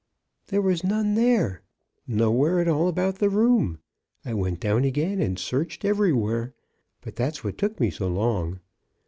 "There was none there — nowhere at all about the room. I went down again and searched everywhere. That's what took me so long.